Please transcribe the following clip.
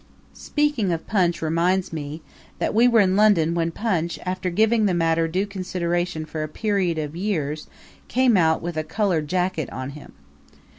Speaking of Punch reminds me that we were in London when Punch, after giving the matter due consideration for a period of years, came out with a colored jacket on him.